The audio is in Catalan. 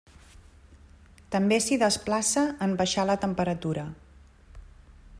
També s'hi desplaça en baixar la temperatura.